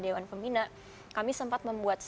dewan pembina kami sempat membuat